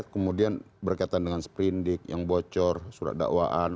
kemudian berkaitan dengan sprindik yang bocor surat dakwaan